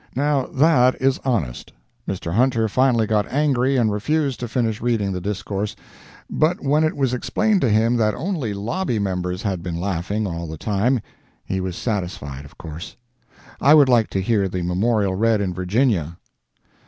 Now that is honest. Mr. Hunter finally got angry and refused to finish reading the discourse, but when it was explained to him that only lobby members had been laughing all the time he was satisfied of course. I would like to hear the memorial read in Virginia.